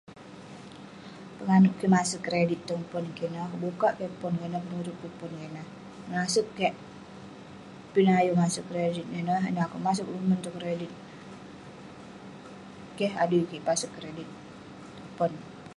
Penganeuk kik maseg kredit tong pon kik ineh, kebukak kik pon kik ineh, penurip kik pon kik ineh, naseg kik pin ayuk maseg kredit ineh, ineh akeuk maseg lumon kredit. Keh adui kik paseg kredit tong pon.